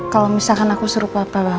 kalau misalkan aku suruh papa